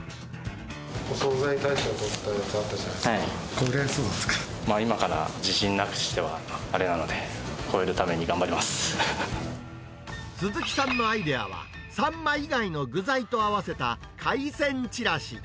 お惣菜大賞とったの超えられ今から自信なくしてはあれな鈴木さんのアイデアは、サンマ以外の具材と合わせた海鮮ちらし。